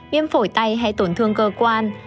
viêm phổi tay hay tổn thương cơ quan